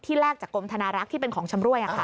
แลกจากกรมธนารักษ์ที่เป็นของชำรวย